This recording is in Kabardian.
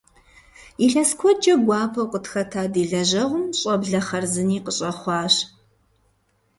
Илъэс куэдкӀэ гуапэу къытхэта ди лэжьэгъум щӀэблэ хъарзыни къыщӀэхъуащ.